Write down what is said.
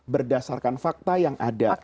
berdasarkan fakta yang ada